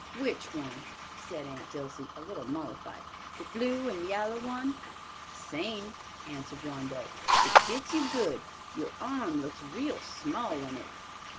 "Which one?" said Aunt Dilsey, a little mollified, "the blue and yaller one?" "The same," answered Rondeau. "It fits you good. Your arm looks real small in it."